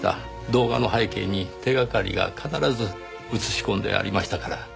動画の背景に手掛かりが必ず映し込んでありましたから。